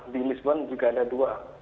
di wisman juga ada dua